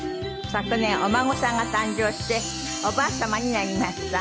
昨年お孫さんが誕生しておばあ様になりました。